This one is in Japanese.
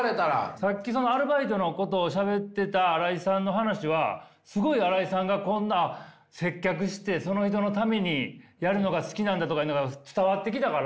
さっきそのアルバイトのことをしゃべってた新井さんの話はすごい新井さんがこんな接客してその人のためにやるのが好きなんだとかいうのが伝わってきたから。